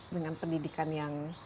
dengan pendidikan yang